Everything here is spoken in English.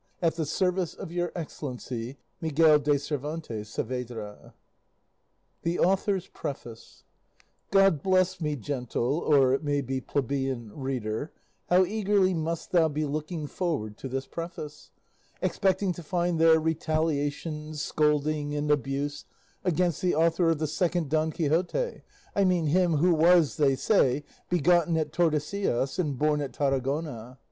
At the service of Your Excellency: MIGUEL DE CERVANTES SAAVEDRA THE AUTHOR'S PREFACE God bless me, gentle (or it may be plebeian) reader, how eagerly must thou be looking forward to this preface, expecting to find there retaliation, scolding, and abuse against the author of the second Don Quixote I mean him who was, they say, begotten at Tordesillas and born at Tarragona!